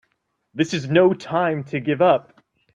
This is no time to give up!